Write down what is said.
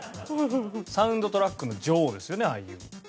サウンドトラックの女王ですよねＩＵ。